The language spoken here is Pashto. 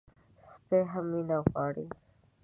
سپي هم مینه غواړي.